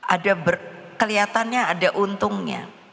ada kelihatannya ada untungnya